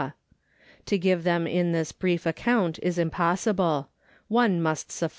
To give them in this brief account is impossible ; one must suffice.